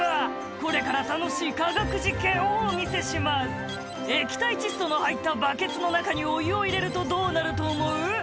「これから楽しい科学実験をお見せします」「液体窒素の入ったバケツの中にお湯を入れるとどうなると思う？」